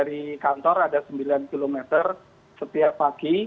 dari kantor ada sembilan km setiap pagi